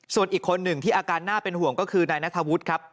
ส่วนอีกคนหนึ่งที่อาการน่าเป็นห่วงก็คือนายนัทธวุฒิครับ